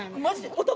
男！